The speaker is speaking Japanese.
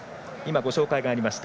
ご紹介がありました